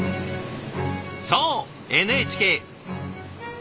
そうＮＨＫ。